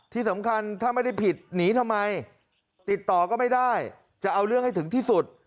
ที่สำคัญถ้าไม่ได้ผิดหนีทำไมติดต่อก็ไม่ได้จะเอาเรื่องให้ถึงที่สุด